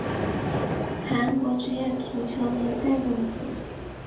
韩国职业足球联赛等级